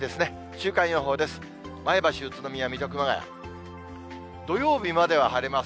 週間予報です。